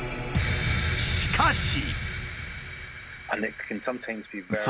しかし。